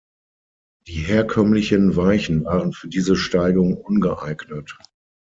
Die herkömmlichen Weichen waren für diese Steigung ungeeignet.